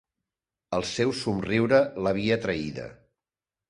El seu somriure l'havia traïda.